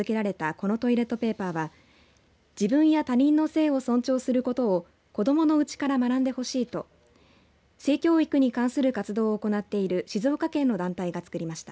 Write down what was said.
このトイレットペーパーは自分や他人の性を尊重することを子どものうちから学んでほしいと性教育に関する活動を行っている静岡県の団体がつくりました。